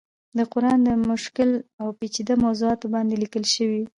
د قرآن د مشکل او پيچيده موضوعاتو باندې ليکلی شوی